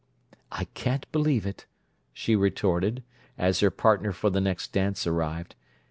"I can't believe it," she retorted, as her partner for the next dance arrived.